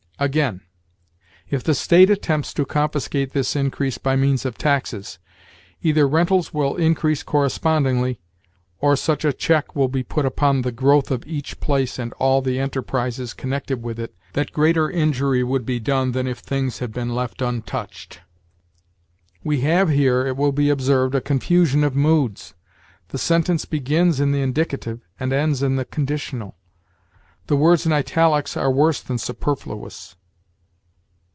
Again: "If the state attempts to confiscate this increase by means of taxes, either rentals will increase correspondingly, or such a check will be put upon the growth of each place and all the enterprises connected with it that greater injury would be done than if things had been left untouched." We have here, it will be observed, a confusion of moods; the sentence begins in the indicative and ends in the conditional. The words in italics are worse than superfluous.